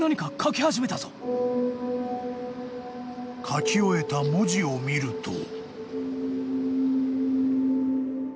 ［書き終えた文字を見ると］